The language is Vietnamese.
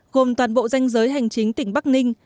gồm toàn bộ danh giới hành chính tỉnh bắc ninh